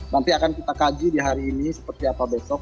nanti akan kita kaji di hari ini seperti apa besok